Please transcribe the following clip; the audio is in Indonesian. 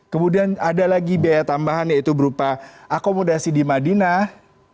kemudian ada lagi biaya tambahan yaitu berupa akomodasi di madinah